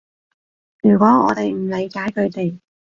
如果我哋唔理解佢哋